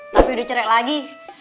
tapi udah cerai lagi